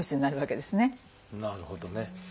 なるほどね。